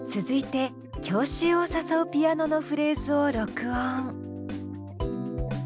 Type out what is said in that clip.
続いて郷愁を誘うピアノのフレーズを録音。